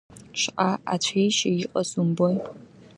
Шаҟа ацәеижьы икыз умбои?!